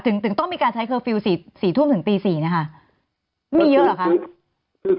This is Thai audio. ถึงต้องมีการใช้เคอร์ฟิล๔ทุ่มถึงตี๔นะคะมีเยอะเหรอคะ